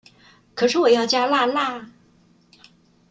可是我要加辣辣